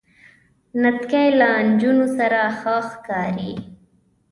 نتکۍ له نجونو سره ښه ښکاری.